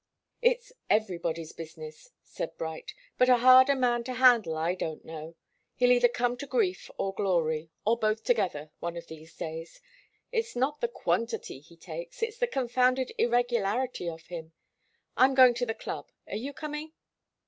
"It's everybody's business," said Bright. "But a harder man to handle I don't know. He'll either come to grief or glory, or both together, one of these days. It's not the quantity he takes it's the confounded irregularity of him. I'm going to the club are you coming?"